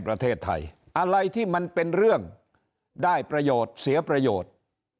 ประเทศไทยอะไรที่มันเป็นเรื่องได้ประโยชน์เสียประโยชน์